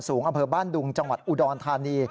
อำเภอบ้านดุงจังหวัดอุดรธานี